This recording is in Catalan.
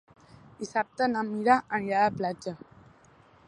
Dissabte na Mira anirà a la platja.